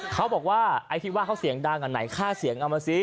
เขาบอกว่าไอ้ที่ว่าเขาเสียงดังอันไหนค่าเสียงเอามาซิ